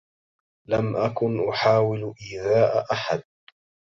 لم أكن أحاول إيذاء أحد.